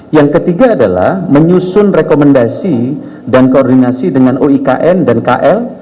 yang ketiga adalah menyusun rekomendasi dan koordinasi dengan uikn dan kl